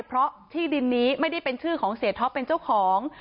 เพราะที่ดินนี้ไม่ได้เป็นชื่อของเสียท็อปเป็นเจ้าของ